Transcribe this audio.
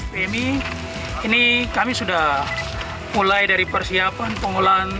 pmi ini kami sudah mulai dari persiapan pengolahan